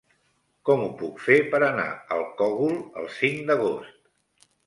Com ho puc fer per anar al Cogul el cinc d'agost?